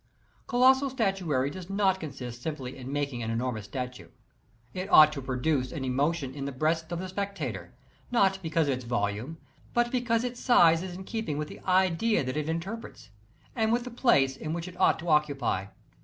Colossal statuary does not consist simply in making an enormous statue. It ought to produce an emotion in the breast of the spectator, not because of its volume, but because its size is in keeping with the idea that it inter prets, and with the place which it ought to occupy.